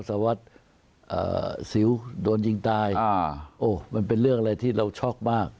สวัสดิ์สิวโดนยิงตายโอ้มันเป็นเรื่องอะไรที่เราช็อกมาก